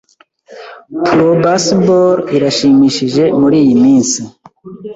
Pro baseball irashimishije muriyi minsi.